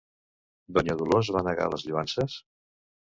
Donya Dolors va negar les lloances?